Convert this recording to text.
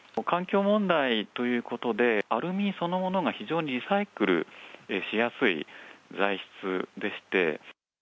環境問題ということで、アルミそのものが非常にリサイクルしやすい材質でして。